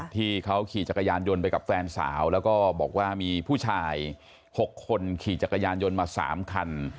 ที่เขาขี่จักรยานยนต์ไปกับแฟนสาวแล้วก็บอกว่ามีผู้ชาย๖คนขี่จักรยานยนต์มา๓คัน